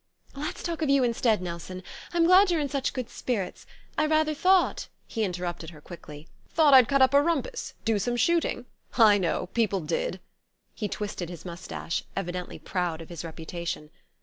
Let's talk of you instead, Nelson. I'm glad you're in such good spirits. I rather thought " He interrupted her quickly. "Thought I'd cut up a rumpus do some shooting? I know people did." He twisted his moustache, evidently proud of his reputation.